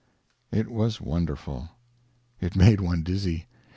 It was wonderful. It made one dizzy.